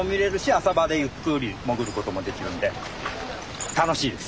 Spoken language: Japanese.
浅場でゆっくり潜ることもできるんで楽しいです。